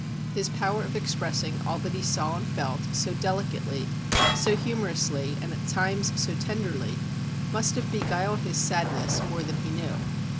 His power of expressing all that he saw and felt, so delicately, so humorously, and at times so tenderly, must have beguiled his sadness more than he knew.